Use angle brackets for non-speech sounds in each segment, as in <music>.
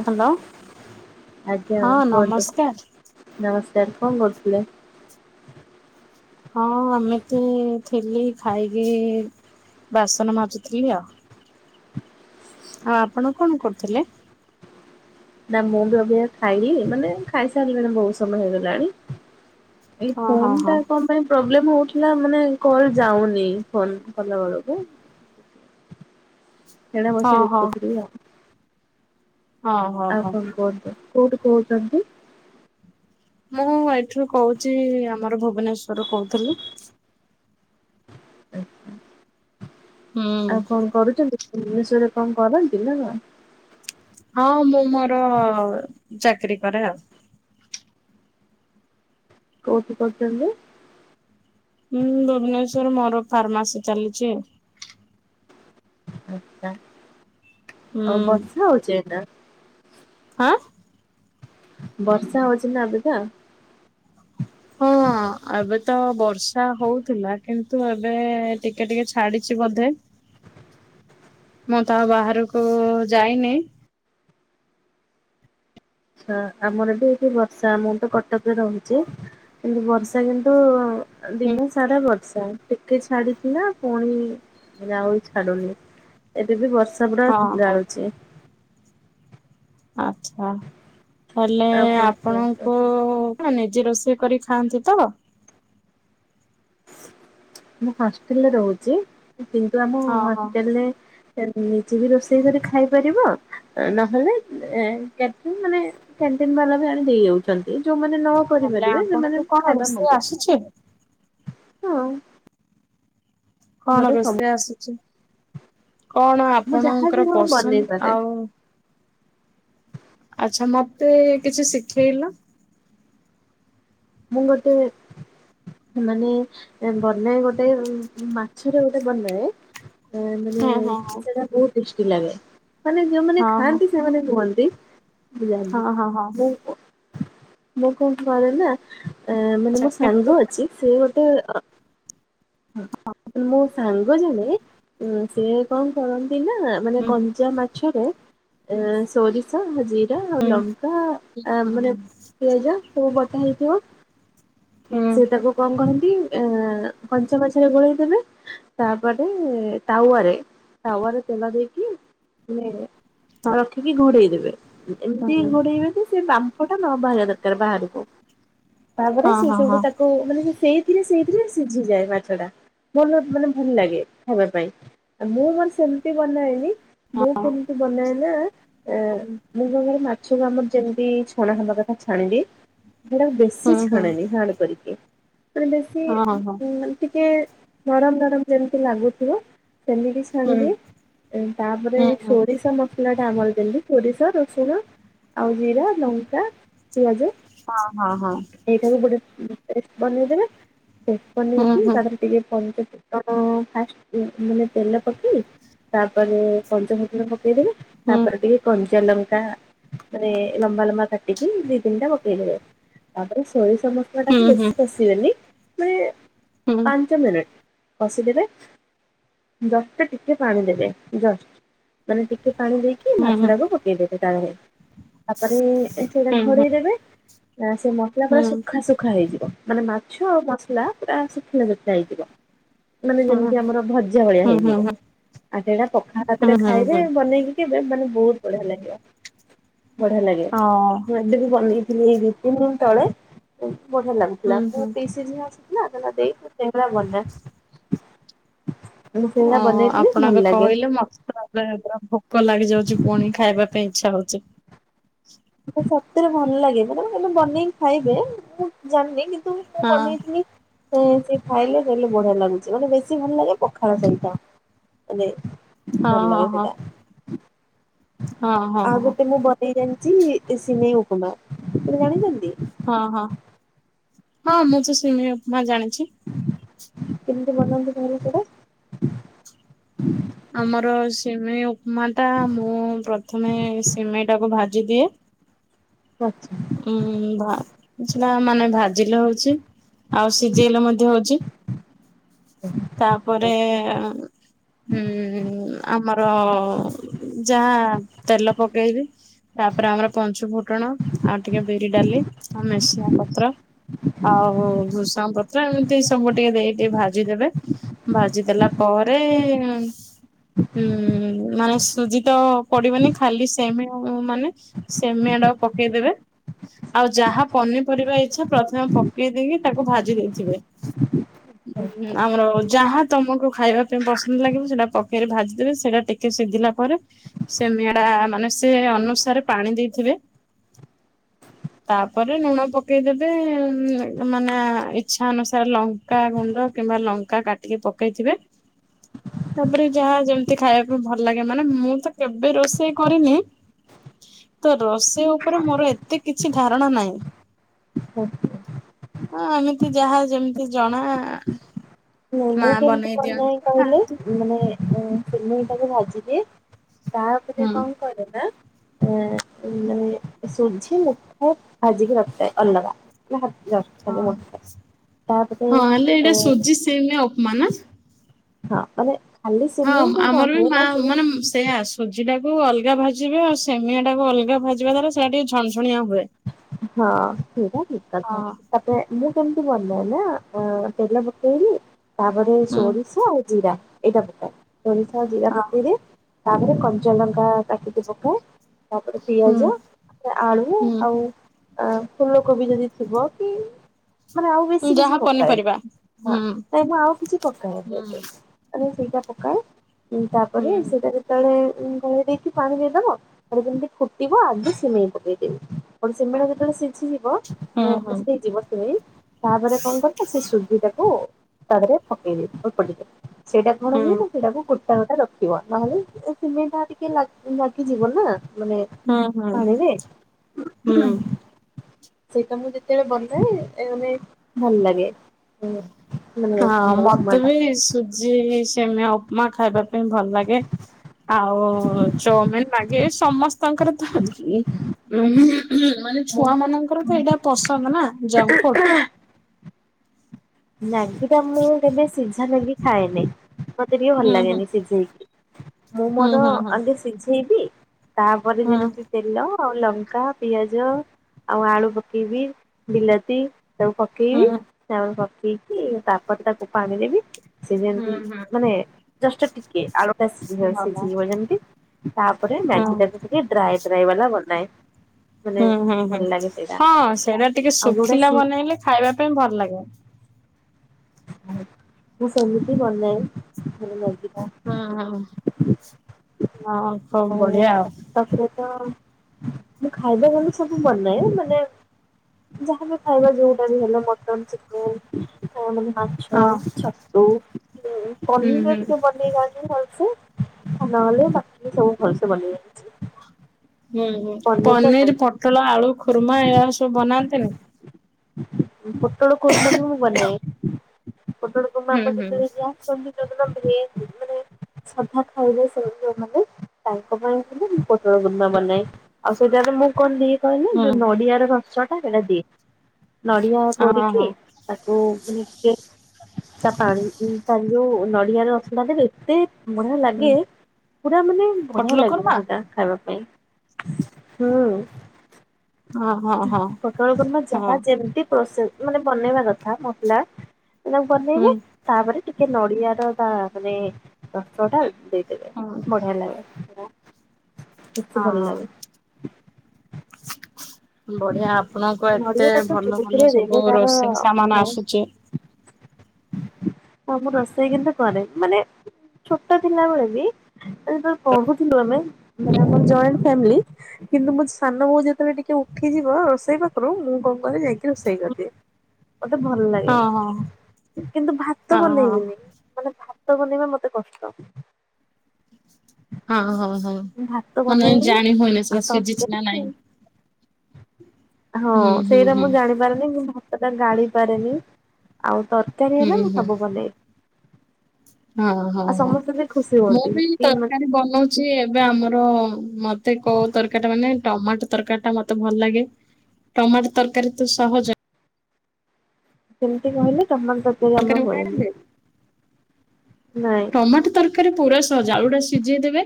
Hello ଆଜ୍ଞା ହଁ କୁହନ୍ତୁ ନମସ୍କାର। ନମସ୍କାର କଣ କରୁଥିଲେ? ହଁ ଏମିତି ଥିଲି ଖାଇକି ବାସନ ମାଜୁଥିଲି ଆଉ। ଆଉ ଆପଣ କଣ କରୁଥିଲେ। ନା ମୁଁ ବି ଏବେ ଆଉ ଖାଇନି ମାନେ ଖାଇସାରିଲିଣି ବହୁତ ସମୟ ହେଇଗଲାଣି। ଏଇ ହଁ ହଁ ଫୋନ୍ ହଁ ଟା କଣ ପାଇ ପ୍ରୋବ୍ଲେ ହଉଥିଲା ମାନେ କଲ ଯାଉନି ଫୋନ କଲା ବେଳକୁ। ସେଇଟା ହଁ ବସିି ହଁ ଦେଖୁଥିଲି ଆଉ। ହଁ ହଁ ଆଉ ହଁ କଣ କୁହନ୍ତୁ କୋଉଠୁ କହୁଛନ୍ତି? ମୁଁ ଏଇଠୁ କହୁଛି ଆମର ଭୁବନେଶ୍ୱରରୁୁ କହୁଥିଲୁ। ହୁଁ ଆଉ କଣ କରୁଛନ୍ତି ଭୁବନେଶ୍ଵରେ କଣ କରନ୍ତି ନା କଣ? ହଁ ମୁଁ ମୋର ଚାକିରୀ କରେ ଆଉ। କୋଉଠି କରୁଛନ୍ତି? ମୁଁ ଭୁବନେଶ୍ବର ମୋର ଫାର୍ମାସିୀ ଚାଲିଛି। ଆଛା ଆଉ ହୁଁ ବର୍ଷା ହଉଚି ଏଇନା। ହାଁନ ବର୍ଷା ହଉଛି ନା ଏବେ ତ। ହଁ। ହଁ ଏବେ ତ ବର୍ଷା ହଉଥିଲା କିନ୍ତୁ ଏବେ ଟିକେ ଟିକେ ଛାଡିଛି ବୋଧେ। ମୁଁ ତ ଆଉ ବାହାରକୁ ଯାଇନି। ଆଛା ଆମର ବି ଏଠି ବର୍ଷା ମୁ ତ କଟକରେ ରହୁଛି। କିନ୍ତୁ ବର୍ଷା କିନ୍ତୁ ଦିନ ସାରା ବର୍ଷା ଟିକେ ଛାଡିଥିଲା ପୁଣି ଏବେ ଆଉ ଛାଡୁନି ଏବେ ବି ବର୍ଷା ପୁଡା ହଁ ହଁ ଢାଳୁଛି। ଆଚ୍ଛା ହେଲେ ଆଉ କଣ କୁହନ୍ତୁ ଆପଣଙ୍କୁ ଆପଣ ନିଜେ ରୋଷେଇ କରି ଖାଆନ୍ତି ତ? ମୁଁ ହଷ୍ଟେଲରେ ରହୁଛି କିନ୍ତୁ ଆମ ହଁ ହଁ ହଷ୍ଟେଲରେ ନିଜେ ବି ରୋଷେଇ କରି ଖାଇପାରିବ। ନହେଲେ କଟିଂ ମାନେ କ୍ୟାଣ୍ଟି ବାଲା ବି ଆଣି ଦେଇ ଯାଉଛନ୍ତି। ଯୋଉମାନେ ନ କରିପାରିବେ ସେମାନେ ଖାଇବା ମଗ କିଛ ହଁ। କଣ ମତେ ସବୁ ରୋଷେଇ ଆସୁଛି କଣ ମୁଁ ଯାହାବି ଆପଣଙ୍କର ହଉ ବନେଇ ପସନ୍ଦ ପାରେ। ଆଉ ଆଛା ମତେ କିଛି ଶିଖେଇଲ। ମୁଁ ଗୋଟେ ମାନେ ବନାଏ ଗୋଟେ ମାଛରେ ଗୋଟେ ବନାଏ। ମାନେ ହଁ ହଁ ସେଟା ବହୁତ ଟେଷ୍ଟି ଲାଗେ ମାନେ ଯୋଉମାନେ ହଁ ହଁ ହଁ ଖାଆନ୍ତି। ସେମାନେ କୁହନ୍ତି ବୁ ଜାନ୍ତି ହଁ ହଁ ହଁ ମୁଁ ମୁଁ କଣ କରେ ନା। ମାନେ ଆଚ୍ଛା ମୋ କେମିତି ସାଙ୍ଗ ଅଛି ସେ ଗୋଟେ ମୋ ସାଙ୍ଗ ଜଣେ ସେ କଣ କରନ୍ତି ନା ମାନେ ହୁଁ ହୁଁ କଞ୍ଚା ମାଛରେ ସୋରିଷ ଜିରା ଆଉ ଲଙ୍କା ହୁଁ ମାନେ ପିଆଜ ସବୁ ବଟା ହେଇଥିବ। ହୁଁ ସେ ତାକୁ କଣ କରନ୍ତି ଏ କଞ୍ଚା ମାଛରେ ଗୋଳେଇ ଦେବେ। ତାପରେ ତାୱା ରେ ତାୱାରେ ତେଲ ଦେଇକି ରଖିକି ଘୋଡେଇଦେବେ। ହଁ ଏମତି ହୁଁ ଘୋଡେଇବେ ଯେ ସେ ବାମ୍ପ ଟା ନ ବାହାରିବା ଦରକାର ବାହାରକୁ ତାପରେ ସେ ହଁ ସବୁଠୁ ହଁ ହଁ ମାନେ ସେଇଥିରେ ସେଇଥିରେ ସିଝିଯାଏ ମାଛ ଟା ମନ ମାନେ ଭଲ ଲାଗେ ଖାଇବା ପାଇଁ। ମୁଁ ମାନେ ସେମିତି ବନାଏନି ମୁଁ କେମିତି ବନାଏ ନା ମୁଁ କନ କରେ ମାଛକୁ ଆମର ଯେମିତି ଛଣା ହବା କଥା ଛାଣିବି। ସେଟା ହୁଁ ବେଶୀ ହୁଁ ଛାଣେନି ହାର୍ଡ କରିକି ସେଟା ବେଶୀ ହଁ ହଁ ହଁ ମନେ ଟିକେ ନରମ ନରମ ଯେମିତି ଲାଗୁଥିବ ସେମିତି। ହୁଁ ଛାଣିଦିଏ ତାପରେ ହୁଁ ହୁଁ ସୋରିଷ ମ ଆମର ଦେଲି ସୋରିଷ ରସୁଣ ଆଉ ଜିରା ଲଙ୍କା ପିଆଜ ହଁ ହଁ ହଁ। ଏଇଟାକୁ ଗୋଟେ ପେଷ୍ଟ ବନେଇଦେବେ ହଁ ହୁଁ ହୁଁ ହୁଁ ହୁଁ ହୁଁ ବନେଇକି ହୁଁ ତାରେ ଟିକେ ପଞ୍ଚ ଫୁଟଣ ଫାଷ୍ଟ ମାନେ ତେଲ ପକେଇ ତାପରେ ପଞ୍ଚ ଫୁଟଣ ପକେଇଦେବେ ତାପରେ ଟିକେ କଞ୍ଚାଲଙ୍କା ମାନେ ଲମ୍ବା ଲମ୍ବା କଟିକି ଦି ତିନି ଟା ପାକେଇଦେବେ। ତାପରେ ସୋରିଶ ତାକୁ ହୁଁ ବେଶି କଷିବେନି ମାନେ ପାଞ୍ଚ ମିନିଟ କଷିଦେବେ। ଜଷ୍ଟ ଟିକେ ପାଣି ଦେବେ ଜଷ୍ଟ ମାନେ ଟିକେ ପାଣି ଦେଇକି ମାଛ ହୁଁ ଟାକୁ ପକେଇଦବେ ତା ତାପରେ ସେଟା ହୁଁ ଖୋରେଇଦେବେ। ନା ସେ ମସଲା ପୁରା ହୁଁ ଶୁଖା ସୁୁଖା ହେଇଯିବ ମାନେ ମାଛ ଆଉ ମସଲା ପୁରା ଶୁଖିଲା ଶୁଖିଲା ହେଇଯିବ। ମାନେ ହୁଁ ଯେମିତି ହୁଁ ଆମର ଭଜା ଭଳିଆ ହୁଁ ହେଇଯିବ ହୁଁ ଆଉ ସେଟା ପଖାଳ ଭାତରେ ହୁଁ ଖାଇବେ ହୁଁ ହୁଁ ବନେଇ କି। ମାନେ ବହୁତ ବଢିଆ ଲାଗିବ ବଢିଆ ଲାଗିବ ବି ବନେଇଥିଲି ଏଇ ଦୁଇ ତିନି ଦିନ ତଳେ ବଢିଆ ହୁଁ ଲାଗୁଥିଲା ମୁ ହୁଁ ପିଶି ଝିଅ ନା ଦେଇ ସେଗା ବନ ଓ ଆପଣଙ୍କ କହିଲେ ମସ୍ତ ପୂରା ଭୋକ ଲାଗି ଯାଉଛି ପୁଣି ଖାଇବା ପାଇଁ ଇଚ୍ଛା ହଉଛି। ସତରେ ଭଲ ଲାଗେ ନା ଏଲେ ବନେଇକି ଖାଇବେ ମୁଁ ଜାଣିନି କିନ୍ତୁ ମୁଁ ହଁ ବନେଇଥିଲି ସେ ସେ ଖାଇଲେ କହିଲେ ବଢିଆ ଲାଗୁଛି ମାନେ ବେଶୀ ଭଲ ଲାଗେ ପଖାଳ ସହିତ ମାନେ ଭଲ ହଁ ଲାଗେ ହଁ ସେଟା ହଁ ହଁ ହଁ ଆଉ ହଁ ଗୋଟେ ମୁଁ ବନେଇ ଜାଣି ଚି ଏ ସିିମେଇ ଉପମା। ଆପଣ ଜାଣିଚନ୍ତି? ହଁ ହଁ ହଁ ମୁଁ ତ ସିମେଇ ଉପମା ଜାଣିଛି। କେମିତି ବନାନ୍ତି ତାହେଲେ ସେଇଟା? ଆମର ସିମେଇ ଉପମା ଟା ମୁଁ ପ୍ରଥମେ ସିମେଇ ଟାକୁ ଭାଜି ଦିଏ। ପଛ୍ <unintelligible> ଉଁ ମା ସେଟା ମାନେ ଭାଜିଲେ ହଉଚି ଆଉ ସିଜେଇଲେ ମଧ୍ୟ ହଉଚି। ଉଁ ହୁଁ। ତାପରେ ଏ ମ୍ ହୁଁ ଆମର ଯାହା ତେଲ ପକେଇବି। ତାପରେ ଆମର ପଞ୍ଚୁଫୁଟଣ ଆଉ ଟିକେ ବିରି ଡାଲି ଆଉ ମେସୁଙ୍ଗା ପତ୍ର। ଆଉ ଭୃଷଙ୍ଗପତ୍ର ଏମିତି ସବୁ <unintelligible> ଟିକେ ଦେଇ ଟିକେ ଭାଜିଦେବେ ଭାଜିଦେଲା ପରେ ଏ ଏ ଉଁ ମାନେ ସୁଜି ତ ପଡିବନି ଖାଲି ସେମେଆ। ଉଁ ମାନେ ସେମେଆ ଟାକୁ ପକେଇଦେବେ ଆଉ ଯାହା ପନିପରିବା ଇଚ୍ଛା ପ୍ରଥମେ ପକେଇ ଦେଇକି ତାକୁ ଭାଜି ଦେଇଥିବେ। ଉଁ ଆମର ଯାହା ତମକୁ ଖାଇବା ପାଇଁ ପସନ୍ଦ ଲାଗିବ ସେଟା ପକେଇ ଭାଜିଦେବେ ସେଇଟା ଟିକେ ସିଜିଲା ପରେ ସେମେଆ ମାନେ ସେ ଅନୁସାରେ ପାଣି ଦେଇଥିବେ। ତାପରେ ଲୁଣ ପକେଇଦେବେ ଉ ମାନେ ଇଚ୍ଛା ଅନୁସାରେ ଲଙ୍କ୍ ଙ୍କା ଗୁଣ୍ଡ କିମ୍ବା ଲଙ୍କା କାଟିକି ପକେଇଥିବେ। ତାପରେ ଯାହା ଯେମିତି ଖାଇବାକୁ ଭଲ ଲାଗେ ମାନେ ମୁଁ ତ କେବେ ରୋଷେଇ କରିନି ତ ରୋଷେଇ ଉପରେ ମୋର ଏତେ କିଛି ଧାରଣା ନାହିଁ। ହୁ। ହଁ ଏମିତି ଯାହା ଯେମିତି ଜଣା ନାଇ ମା ମୁଁ କେମତି ବନେଇ ବନାଏ ଦିଅନ୍ତି କହିଲେ ଖାଆନ୍ତି ମାନେ ମୁଁ ସିମେଇ ଟାକୁ ଭାଜିଦିଏ ତାପରେ ହୁଁ କଣ କରେ ନା? ଅ ମାନେ ସୁଜି ମୁଠାଏ ଭାଜିକିି ରଖିଥାଏ ଅଲଗା। <unintelligible> ହଁ ତାପରେ ହଁ ହେଲେ ଏ ଏଇଟା ସୁଜି ସେମେଇ ଉପମା ନା? ହଁ ମାନେ ଖାଲି ହଁ ସିମେଇଟା କଣ ଆମର ବି ହୁଏ ମା ନା ସେ ମାନେ ସେୟା ଆସୁ ସୁଜି ଟାକୁ ଅଲଗା ଭାଜିବେ ଆଉ ସେମେଇଆ ଟାକୁ ଅଲଗା ଭାଜିବା ଦ୍ଵାରା ସେଟା ଟିକେ ଝଣଝଣିଆ ହୁଏ। ହଁ ସେଇଟା ଠିକ୍ କଥା। ହଁ ତାପରେ ମୁଁ କେମତି ବନାଏ ନା ତେଲ ପକେଇବି ତାପରେ ହଁ। ସୋରିଷ ଆଉ ଜିରା ଏଇଟା ପକାଏ। ସୋରିଷ ଆଉ ଜିରା ପକେଇଦିଏ। ତାପରେ କଞ୍ଚାଲଙ୍କା କାଟିକି ପକାଏ। ତାପରେ ହୁଁ ପିଆଜ ଆଳୁ ଆଉ ଅ ଫୁଲକୋବି ଯଦି ଥିବ କି? ମାନେ ଆଉ ହୁଁ ବେଶୀ କିଛି ଯାହା ପନିପରିବା ପକାଏନି। ହଁ ହୁଁ। ତ ମୁ ଆଉ କିଛି ପକାଏନି ଏତେ। ହୁଁ। ମାନେ ସେଇଟା ପକାଏ ଉଁ ହୁଁ ତାପରେ ସେଇଟାକୁ ଯେତବେଳେ ଘୋଡ଼େଇ ଦେଇକି ପାଣି ଦେଇଦବ ତାପରେ ଯେମିତି ଫୁଟିବ ଆଗେ ସିମେଇ ପକେଇଦେବି। ତାପରେ ସେମେଇଟା ଯେତେବେଳେ ସିଝି ଯିବ ହୁଁ ହୁଁ ଅଁ ସିଝିବ ସିମେଇ ତାପରେ କଣ କର? ସେ ସୁଜିି ଟାକୁ ତା ଦେହରେ ପକେଇ ଦେବି ଅଳ୍ପ ଟିକେ ସେଇଟା କଣ ହୁଁ ହୁଏ ନା ସେଇଟାକୁ କୁର୍ ତା ପାଖରେ ରଖିବ ନହେଲେ ସିମେଇଟା ଟିକେ ଲାଗ୍ ଲାଗିଯିବ ନା ମାନେ ହୁଁ ହୁଁ ପାଣିରେ? ହୁଁ। ସେଇଟା ମୁଁ ଯେତେବେଳେ ବନାଏ ମାନେ ଭଲ ଲାଗେ। ହୁଁ ମାନେ ହଁ ମତେ ଉପମାଟା। ବି ସୁଜି ସିମେ ଉପମା ଖାଇବା ପାଇଁ ଭଲ ଲାଗେ। ଆଉ ଚଉମିିନ ମ୍ୟାଗି ସମସ୍ତଙ୍କର ତ ହୁଁ ଉଁ ହୁଁ ମାନେ ଛୁଆ ମାନଙ୍କର ତ ଏଇଟା ପସନ୍ଦ ନା ଜଙ୍କ ଫୁଡ। ମ୍ୟାଗି ଟା ମୁଁ କେବେ ସିଝା ମାଗି ଖାଏନି ମତେ ଟିକେ ହୁଁ ଭଲ ହୁଁ ଲାଗେନି ସିଝେଇକି। ମୁଁ ମୋର ହୁଁ ହୁଁ ହୁଁ ଆଗେ ସିଝେଇବି ତାପରେ ହୁଁ ଯେମିତି ତେଲ ଆଉ ଲଙ୍କା, ପିଆଜ ଆଉ ଆଳୁ ପକେଇବି ବିଲାତି ତାକୁ ପକେଇବି ତାପରେ ପକେଇକି ତାପରେ ତାକୁ ପାଣି ଦେବି ସେ ହୁଁ ଯେମିତି ହୁଁ ହୁଁ ମାନେ ଜଷ୍ଟ ଟିକେ ଆଳୁଟା ସିଝିବ ଭଲ। ସିଝିବଯିବ ଯେମତି ତାପରେ ହୁଁ ମ୍ୟାଗି ଟାକୁ ଟିକେ ଡ୍ରାଇ ଡ୍ରାଇ ବାଲା ବନାଏ। ମାନେ ହୁଁ ହୁଁ ହୁଁ ଭଲ ଲାଗେ ସେଇଟା ହଁ ସେଇଟା ଟିକେ ଆଉ ଯୋଉଟା ଶୁଖିଲା ସି ବନେଇଲେ ଖାଇବା ପାଇଁ ଭଲ ଲାଗେ। ହୁଁ ମୁଁ ସେମିତି ବନାଏ ଭଲ ଲାଗେ। ହଁ ହଁ ହଁ ହଉ ବଢିଆ ଆଉ। ତାପରେ ତ ମୁଁ ଖାଇବା ଫାଇବା ସବୁ ବନାଏ ମାନେ ଯାହା ବି ଖାଇବା ଯୋଉଟା ବି ହେଲା ମଟନ, ଚିକେନ ମାନେ ମାଛ, ହଁ ଛତୁ, ହୁଁ ପନିରରେ ହୁଁ। ଟିକେ ବନେଇ ଜାଣିନି ଭଲସେ, ନହେଲେ ବାକି ସବୁ ଭଲସେ ବନେଇ ଜାଣିଛି। ହୁଁ ହୁଁ ଟା ପନିର, ଜାଣିନି ପୋଟଳ ଆଳୁ ଖୁର୍ମା ଏଇ ସବୁ ବନାନ୍ତିନି? ପୋଟଳ କୂର୍ମା ବି ମୁଁ ବନାଇ ପୋଟଳ କର୍ମା ହୁଁ ଆମ ହୁଁ ଯେତେବେଳେ ଯା ସ ଯୋଉଦିନ ଭେଜ୍ ମାନେ ସାଧା ଖାଇବେ ସେ ଯୋଉମାନେ ତାଙ୍କ ପାଇଁ ଖାଲି ମୁଁ ପୋଟଳ କର୍ମା ବନାଏ। ଆଉ ସେଇଟା ଆରେ ମୁଁ କଣ ଦିଏ କହିଲେ ହୁଁ ଯୋଉ ନଡିଆର ରସ ଟା ସେଇଟା ଦିଏ। ନଡ଼ିଆ ହଁ କୋରିକି ହଁ ତାକୁ ମାନେ ଟିକେ ତା ପାଣି ତା ଯୋଉ ନଡିଆ ରସଟା ଦେବେ ଏତେ ବଢିଆ ହଁ ଲାଗେ ପୁରା ମାନେ ବଢିଆ ପୋଟଳ ଲାଗିବ ଖୁର୍ମା ସେଇଟା ଖାଇବା ପାଇଁ। ହୁଁ। ହଁ ହଁ ହଁ। ପୋଟଳ କୁର୍ମା ହଁ ଯାହା ଯେମିତି ପ୍ରୋସେସ ମାନେ ବନେଇବା କଥା ମସଲା ତାକୁ ହୁଁ। ବନେଇବେ ତାପରେ ଟିକେ ନଡିଆର ବା ମାନେ ରସଟା ଦେଇ ଦେବେ ହଁ ବଢିଆ ଲାଗେ। ବେଶୀ ହଁ ଭଲ ହଁ। ଲାଗେ। ବଢିଆ ଆପଣଙ୍କୁ ଏତେ ନଡିଆଟା ତ ଭଲ ଯୋଉଥିରେ ଭଲ ଦେବେ ସବୁ ତାର ରୋଷେଇ ମାନେ ସାମାନ ଆସୁଚି। <inaudible> ହଁ ମୁଁ ରୋଷେଇ କିନ୍ତୁ କରେ ମାନେ ଛୋଟ ଥିଲାବେଳେ ବି ଯେତେବେଳେ ପଢୁଥିଲୁ ଆମେ ମାନେ ଆମ ଜଏଣ୍ଟ ଫାମିଲି କିନ୍ତୁ ମୁ ସାନ ବୋଉ ଯେତେବେଳେ ଟିକେ ଉ ଉଠିଯିବ ରୋଷେଇ ପାଖରୁ ମୁଁ କଣ କରେ ଯାଇକି ରୋଷେଇ କରିଦିଏ। ମତେ ଭଲ ଲାଗେ ହଁ ହଁ କିନ୍ତୁ ଭାତ ହଁ ହଁ। ବନେଇବିନି। ମାନେ ଭାତ ତ ବନେଇବା ମତେ କଷ୍ଟ। ହଁ ହଁ ହଁ ଭାତ ମାନେ ବନେଇବିନି ଜାଣି ହୁଏନି ସେଟା ଆଉ ସିଝିଛି ନା ନାଇଁ। ତରକାର ହଁ ହୁଁ ହୁଁ ସେଇଟା ହୁଁ ମୁଁ ଜାଣିପାରେନି କି ଭାତଟା ଗାଳି ପାରେନି ଆଉ ତର କାରି ହୁଁ ହେଲା ମୁଁ ହୁଁ ସବୁ ବନେଇ। ହଁ ହଁ ହଁ ସମସ୍ତେ ବି ଖୁସି ମୁଁ ହୁଅନ୍ତି ବି କି ମାନେ ତରକାରୀ ବନଉ ଛି ଏବେ ଆମର ମତେ କୋଉ ତରକାରୀ ଟା ମାନେ ଟମାଟୋ ତରକାରୀ ଟା ମତେ ଭଲ ଲାଗେ ଟମାଟୋ ତରକାରୀ ତ ସହଜ ସେମିତି କହିଲେ ଟମାଟ ତରକାରି ତରକାରୀ ଆମର ହୁଏନି। ବନେଇ ନାଇଁ। ଟମାଟୋ ତରକାରୀ ପୁରା ସହଜ ଆଳୁ ଟା ସିଝେଇ ଦେବେ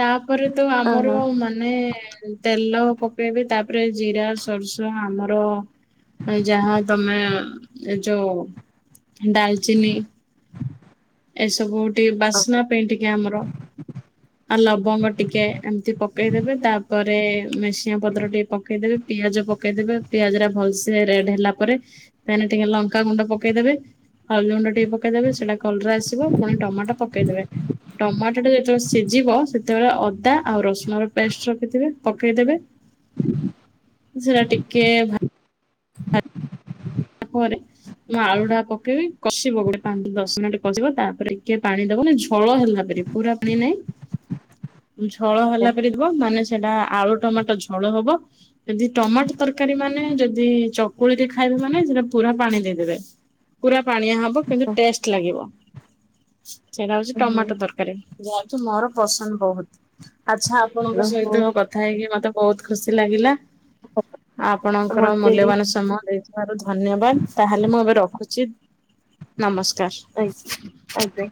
ତାପରେ ତ ଅ ହ ଆମର ମା ମାନେ ତେଲ ପକେଇବେ ତାପରେ ଜିରା ସରସ ଆମର ଯାହା ତମେ ଏ ଯୋଉ ଡାଲଚିନି <inaudible> ଏସବୁ ଟିକେ ଅ ବାସ୍ନା ପାଇଁ ଟିକେ ଆମର ଆ ଲବଙ୍ଗ ଟିକେ ଏମିତି ପକେଇଦେବେ ତାପରେ ମେସିଆ ପତ୍ର ଟିକେ ପକେଇଦେବେ ପିଆଜ ପକେଇଦେବେ ପିଆଜ ଟା ଭଲସେ ରେଡ ହେଲା ପରେ ତାେଲେ ଟିକେ ଲଙ୍କାାଗୁଣ୍ଡ ପକେଇଦେବେ ହଲଦି ଗୁଣ୍ଡ ଟିକେ ପକେଇଦେବେ ସେଇଟା କଲରେ ଆସିବ ପୁଣି ଟମାଟୋ ପକେଇଦେବେ। ଟମାଟୋ ଟା ଯେତେବେଳେ ସିଝିବ ସେତେବେଳେ ଅଦା ଆଉ ରସୁଣ ର ପେଷ୍ଟ ରଖିଥିବେ ପକେଇଦବେ। ସେଟା ଟିକେ ଭା ପରେ ମୁଁ ଆଳୁ ଟା ପକେଇବି କଷିବ ଗୋଟେ ପାଞ୍ଚ ଦଶ ମିନିଟ କଷିବ ତାପରେ କିଏ ପାଣି ଦବନ ଝଳ ହେଲା ପରି ପୁରା ପାଣି ନାଇଁ ଝଳ ହେଲା ପରେ ଯିବ ମାନେ ସେଟା ଆଳୁ ଟମାଟୋ ଝଳ ହବ ଯଦି ଟମାଟୋ ତରକାରୀ ମାନେ ଯଦି ଚକୁଳି ରେ ଖାଇବୁ ମାନେ ସେଟା ପୁରା ପାଣି ଦେଇଦେବେ ପୁରା ପାଣିଆ ହବ କିନ୍ତୁ ଟେଷ୍ଟ ଲାଗିବ। ସେଟା ହଉଛି ଟମାଟୋ ଦରକାରୀ ଯାହା ହଉଛି ମୋର ପସନ୍ଦ ବହୁତ ଆଚ୍ଛା। ଆପଣଙ୍କ ସହିତ ଆଛା କଥା ହେଇକି ମତେ ବହୁତ ଖୁସି ଲାଗିଲା। ଆପଣଙ୍କର ମତେ ବି ମୂଲ୍ୟବାନ ସମୟ ଦେଇଥିବାରୁ ଧନ୍ୟବାଦ ତାହେଲେ ମୁଁ ଏବେ ରଖୁଛି ନମସ୍କାର। ଏଇ ଆଜ୍ଞା।